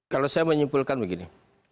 kalau saya menyimpulkan begini